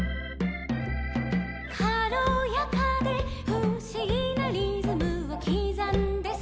「かろやかでふしぎなリズムをきざんでさ」